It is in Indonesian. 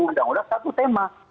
undang undang satu tema